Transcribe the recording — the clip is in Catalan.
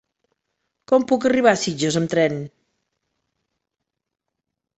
Com puc arribar a Sitges amb tren?